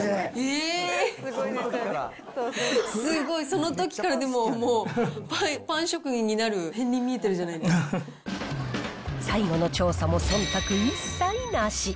えー、すごい、そのときから、もう、パン職人になる片りん、最後の調査もそんたく一切なし。